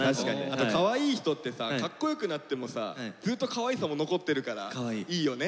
あとかわいい人ってさかっこよくなってもさずっとかわいさも残ってるからいいよね。